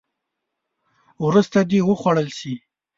وروسته دې وخوړل شي.